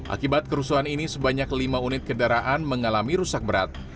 akibat kerusuhan ini sebanyak lima unit kendaraan mengalami rusak berat